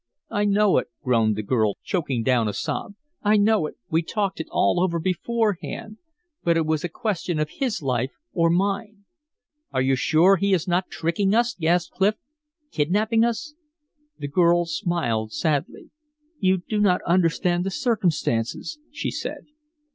"I know it," groaned the girl, choking down a sob. "I know it. We talked it all over beforehand. But it was a question of his life or mine." "Are you sure he is not tricking us?" gasped Clif "kidnapping us?" The girl smiled sadly. "You do not understand the circumstances," she said.